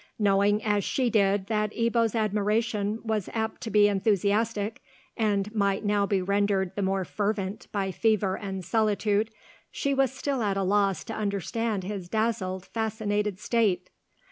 Knowing as she did that Ebbo's admiration was apt to be enthusiastic, and might now be rendered the more fervent by fever and solitude, she was still at a loss to understand his dazzled, fascinated state.